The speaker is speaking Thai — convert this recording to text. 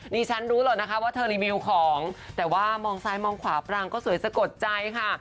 ฉันรู้หรอกนะคะว่าเธอรีวิวของแต่ว่ามองซ้ายมองขวาปรางก็สวยสะกดใจค่ะ